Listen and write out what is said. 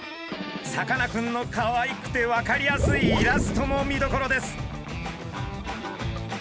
さかなクンのかわいくて分かりやすいイラストも見どころです。